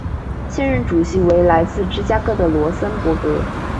现任主席为来自芝加哥的罗森博格。